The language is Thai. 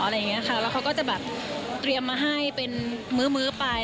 แล้วเขาก็จะแบบเตรียมมาให้เป็นมื้อไป